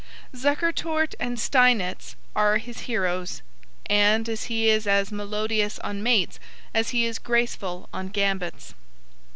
Zukertort and Steinitz are his heroes, and he is as melodious on mates as he is graceful on gambits.